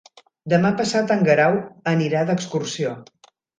Demà passat en Guerau anirà d'excursió.